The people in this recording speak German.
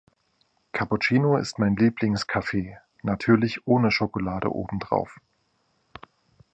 Cappuccino ist mein Lieblingskaffee, natürlich ohne Schokolade oben drauf